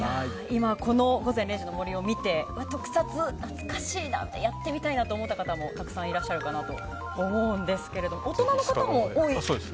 今、この「午前０時の森」を見て特撮、懐かしいやってみたいと思った方もたくさんいらっしゃるかなと思うんですけど大人の方も多い。